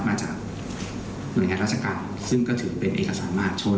มาจากหน่วยงานราชการซึ่งก็ถือเป็นเอกสารมหาชน